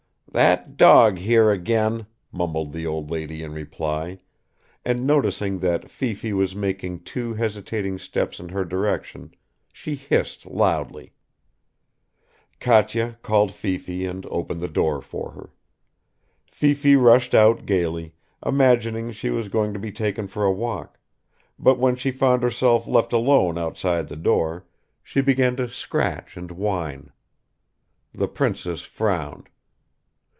"That dog here again," mumbled the old lady in reply, and noticing that Fifi was making two hesitating steps in her direction, she hissed loudly. Katya called Fifi and opened the door for her. Fifi rushed out gaily, imagining she was going to be taken for a walk, but when she found herself left alone outside the door she began to scratch and whine. The princess frowned.